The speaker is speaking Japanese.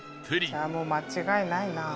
「もう間違いないな」